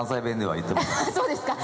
そうですか。